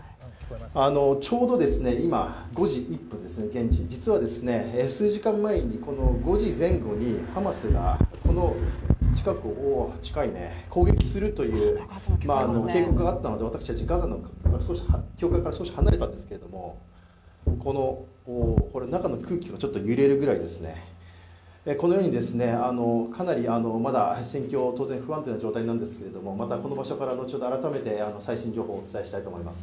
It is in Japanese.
ちょうど今現地５時１分ですね、実は数時間前、５時前後にハマスがこの近くを、攻撃するという警報があったので私たちガザの境界から少し離れたんですけれども中の空気が揺れるぐらい、このように、かなりまだ戦況は当然不安定な状態なんですが、またこの場所から後ほど改めて最新情報、お伝えしたいと思います。